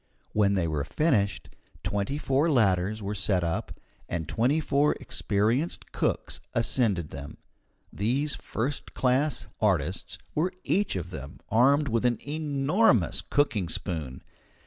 When they were finished, twenty four ladders were set up, and twenty four experienced cooks ascended them. These first class artists were each of them armed with an enormous cooking spoon.